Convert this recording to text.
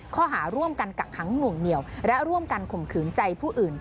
ข้อหาร่วมกันกักขังหน่วงเหนียวและร่วมกันข่มขืนใจผู้อื่น